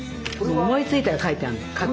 思いついたら書いてあんの。